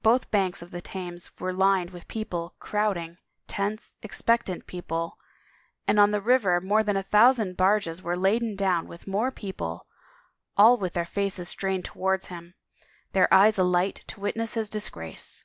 Both banks of the Thames were lined with people, crowding, tense, expectant people, and on the river more than a thousand barges were laden down with more people, all with their faces strained towards him, their eyes alight to witness his disgrace.